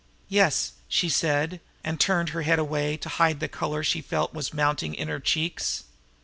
"Yes," she said, and turned her head away to hide the color she felt was mounting to her cheeks.